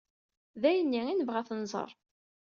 D ayenni ay nebɣa ad t-nẓer.